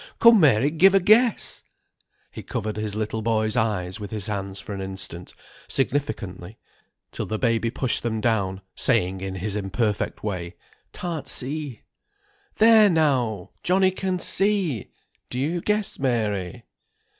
Come, Mary, give a guess!" He covered his little boy's eyes with his hands for an instant, significantly, till the baby pushed them down, saying in his imperfect way, "Tan't see." "There now! Johnnie can see. Do you guess, Mary?"